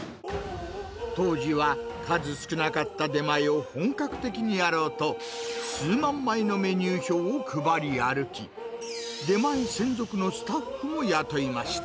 当時は数少なかった出前を本格的にやろうと、数万枚のメニュー表を配り歩き、出前専属のスタッフも雇いました。